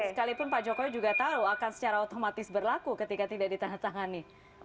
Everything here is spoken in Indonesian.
sekalipun pak jokowi juga tahu akan secara otomatis berlaku ketika tidak ditandatangani